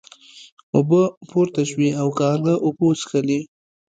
اوبه پورته شوې او کارغه اوبه وڅښلې.